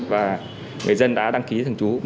và người dân đã đăng ký thằng trú